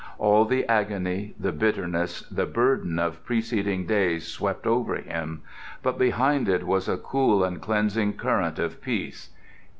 All the agony, the bitterness, the burden of preceding days swept over him, but behind it was a cool and cleansing current of peace.